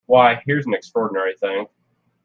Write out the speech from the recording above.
Why, here's an extraordinary thing!